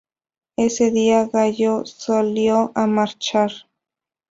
Ese día Gallo salió a marchar.